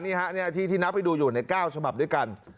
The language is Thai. นี่อาทิตย์ที่นับไปดูอยู่ใน๙ฉบับด้วยกัน